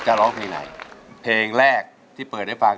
จะแรกที่เปิดไหนที่จะแรกที่เปิดได้ฟัง